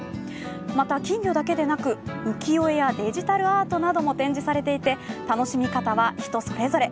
また金魚だけでなく浮世絵やデジタルアートなども展示されていて楽しみ方は人それぞれ。